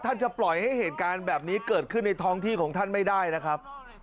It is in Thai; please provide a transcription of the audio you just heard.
จะปล่อยให้เหตุการณ์แบบนี้เกิดขึ้นในท้องที่ของท่านไม่ได้นะครับ